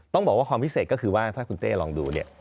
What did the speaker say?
ต้องบอกว่าความพิเศษก็คือว่าถ้าคุณเต้ลองดูเนี่ย